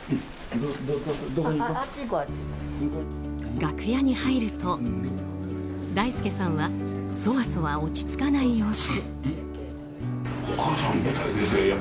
楽屋に入ると、大助さんはそわそわ落ち着かない様子。